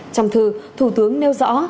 trong thư thủ tướng nêu rõ